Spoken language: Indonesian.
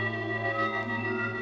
cepatlah datang henry